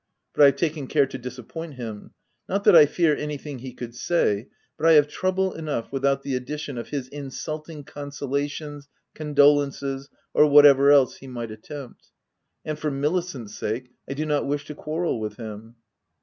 but I have taken care to disappoint him ; not that I fear anything he could say, but I have trouble enough without the addition of his insulting consolations, con dolences, or whatever else he might attempt ; and, for Milicent's sake, I do not wish to quar rel with him.